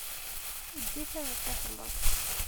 Eǧǧ-it ad t-ixelleṣ.